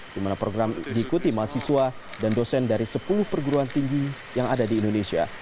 di mana program diikuti mahasiswa dan dosen dari sepuluh perguruan tinggi yang ada di indonesia